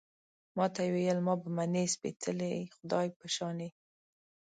ما ته يې ویل، ما به منې، سپېڅلي خدای په شانې